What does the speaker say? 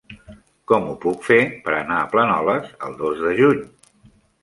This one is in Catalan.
Com ho puc fer per anar a Planoles el dos de juny?